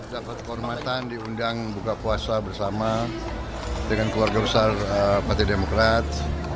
dapat kehormatan diundang buka puasa bersama dengan keluarga besar partai demokrat